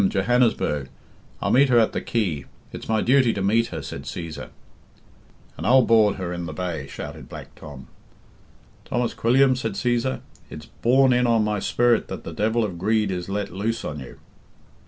Johannesburg. I'll meet her at the quay it's my duty to meet her," said Cæsar. "And I'll board her in the bay," shouted Black Tom. "Thomas Quilliam," said Cæsar, "it's borne in on my spirit that the devil of greed is let loose on you."